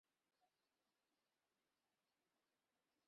Rooster, আমি ঠিক করছি!